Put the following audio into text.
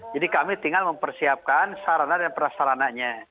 jadi kami tinggal mempersiapkan sarana dan perasarananya